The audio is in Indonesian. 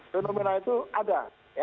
denomina itu ada